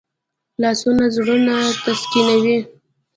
لاسونه زړونه تسکینوي